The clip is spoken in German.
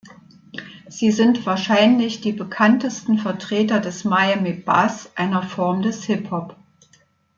Sie sind wahrscheinlich die bekanntesten Vertreter des Miami Bass, einer Form des Hip-Hop.